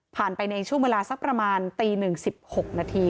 ไปในช่วงเวลาสักประมาณตี๑๑๖นาที